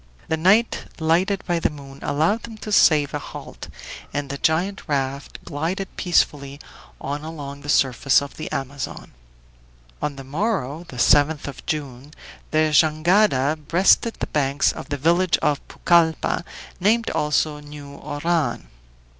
The night, lighted by the moon, allowed them to save a halt, and the giant raft glided peacefully on along the surface of the Amazon. On the morrow, the 7th of June, the jangada breasted the banks of the village of Pucalppa, named also New Oran.